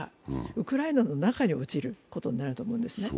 ウクライナの中に落ちることになると思うんですね。